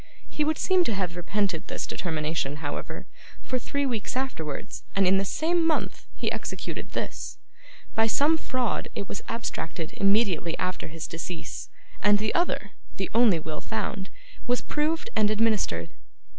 He would seem to have repented this determination, however, for three weeks afterwards, and in the same month, he executed this. By some fraud, it was abstracted immediately after his decease, and the other the only will found was proved and administered.